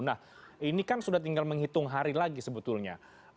nah ini kan sudah tinggal menghitung hari lagi sebetulnya